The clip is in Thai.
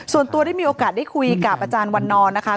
ส่วนตัวได้มีโอกาสได้คุยกับอาจารย์วันนอนนะคะ